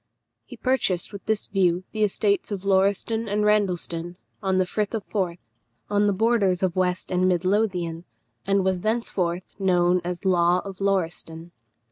He purchased with this view the estates of Lauriston and Randleston, on the Firth of Forth, on the borders of West and Mid Lothian, and was thenceforth known as Law of Lauriston.